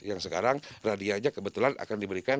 yang sekarang radianya kebetulan akan diberikan